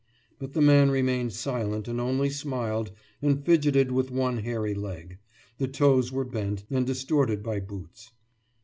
But the man remained silent and only smiled and fidgeted with one hairy leg; the toes were bent and distorted by boots.